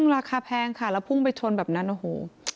ราคาแพงค่ะแล้วพุ่งไปชนแบบนั้นโอ้โห